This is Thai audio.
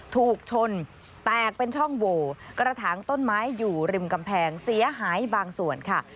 ถูกชนแตกเป็นช่องโหวกระถางต้นไม้อยู่ริมกำแพงเสียหายบางส่วนค่ะ